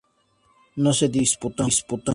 No se disputó.